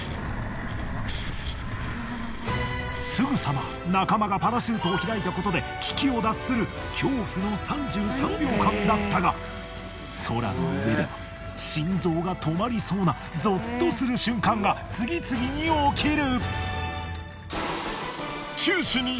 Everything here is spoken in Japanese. すぐさま仲間がパラシュートを開いたことで危機を脱する恐怖の３３秒間だったが空の上では心臓が止まりそうなぞっとする瞬間が次々に起きる！